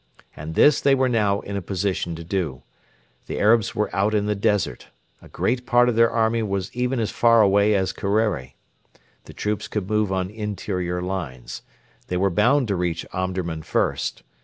And this they were now in a position to do. The Arabs were out in the desert. A great part of their army was even as far away as Kerreri. The troops could move on interior lines. They were bound to reach Omdurman first.